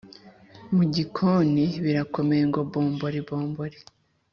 mugikoni birakomye ngo bombori bombori,